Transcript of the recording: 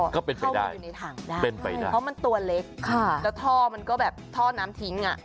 ก็เป็นไปได้เพราะมันตัวเล็กค่ะแล้วท่อมันก็แบบท่อน้ำทิ้งอ่ะ